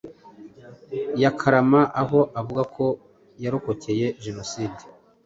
ya Karama aho avuga ko yarokocyeye jenoside,